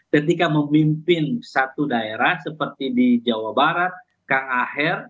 ketika memimpin satu daerah seperti di jawa barat kang aher